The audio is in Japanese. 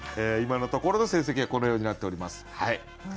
今のところの成績はこのようになっております。